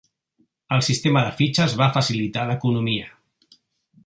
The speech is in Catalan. El sistema de fitxes va facilitar l'economia.